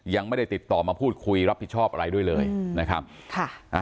ยังไม่ได้ติดต่อมาพูดคุยรับผิดชอบอะไรด้วยเลยนะครับค่ะอ่า